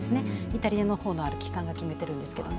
イタリアのほうのある機関が決めてるんですけど。